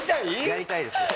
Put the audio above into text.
やりたいです。